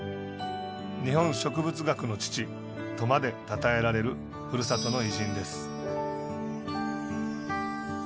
「日本の植物学の父」とまでたたえられる、ふるさとの偉人です。